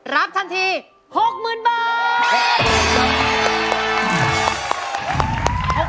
รับทันที๖๐๐๐บาท